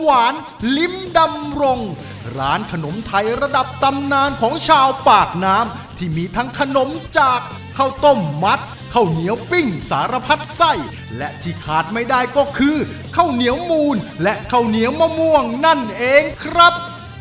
หวานลิ้มดำรงร้านขนมไทยระดับตำนานของชาวปากน้ำที่มีทั้งขนมจากข้าวต้มมัดข้าวเหนียวปิ้งสารพัดไส้และที่ขาดไม่ได้ก็คือข้าวเหนียวมูลและข้าวเหนียวมะม่วงนั่นเองครับ